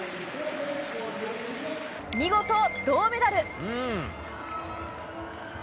見事、銅メダル。